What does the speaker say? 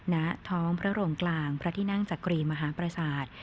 ณท้องพระโรงกลางพระที่นั่งจักรีมหาประสาท